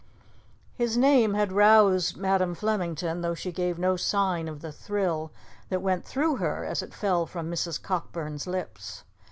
His name had roused Madam Flemington, though she gave no sign of the thrill that went through her as it fell from Mrs. Cockburn's lips.